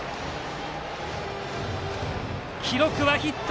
記録はヒット。